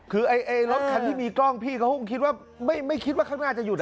คือรถคันที่มีกล้องพี่เขาคงคิดว่าไม่คิดว่าข้างหน้าจะหยุด